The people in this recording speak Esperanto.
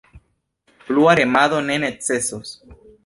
Plua remado ne necesos.